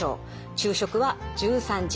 昼食は１３時ごろ。